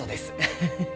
フフフ。